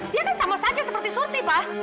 dia kan sama saja seperti surti pak